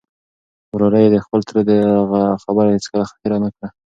وراره یې د خپل تره دغه خبره هیڅکله هېره نه کړه.